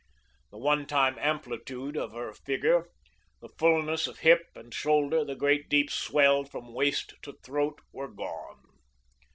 The one time amplitude of her figure, the fulness of hip and shoulder, the great deep swell from waist to throat were gone.